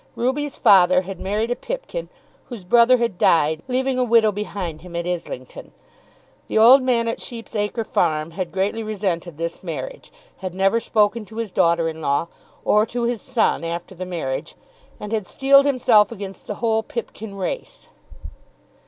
Ruby's father had married a Pipkin whose brother had died leaving a widow behind him at Islington. The old man at Sheep's Acre farm had greatly resented this marriage, had never spoken to his daughter in law, or to his son after the marriage, and had steeled himself against the whole Pipkin race.